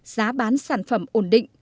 giá bán sản phẩm ổn định